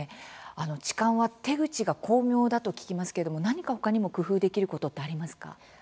痴漢は手口が巧妙だと聞きますけれども何か他にも工夫できることってありますか？